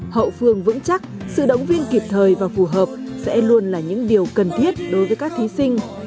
hậu phương vững chắc sự động viên kịp thời và phù hợp sẽ luôn là những điều cần thiết đối với các thí sinh